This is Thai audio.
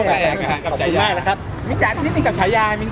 และไม่มีการต่างนอน